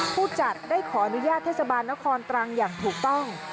ผู้จัดได้ขออนุญาตเทศบาลนครตรังอย่างถูกต้อง